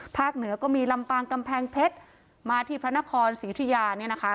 เหนือก็มีลำปางกำแพงเพชรมาที่พระนครศรียุธิยาเนี่ยนะคะ